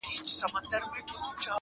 زه به سم آباد وطنه بس چي ته آباد سې,